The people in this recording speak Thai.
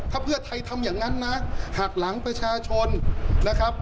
ถ้าเพื่อไทยทำอย่างนั้นนะหักหลังประชาชนนะครับ